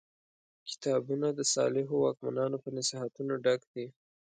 کتابونه د صالحو واکمنانو په نصیحتونو ډک دي.